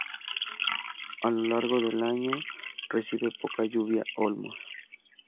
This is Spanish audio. A lo largo del año, recibe poca lluvia Olmos.